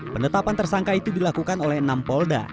penetapan tersangka itu dilakukan oleh enam polda